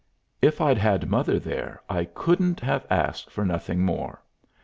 If I'd had mother there I couldn't have asked for nothing more.